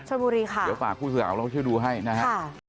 ชนบุรีค่ะเดี๋ยวฝากคู่สื่อของเราไปดูให้นะครับ